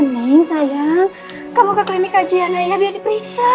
nini sayang kamu ke klinik kajian aja biar diperiksa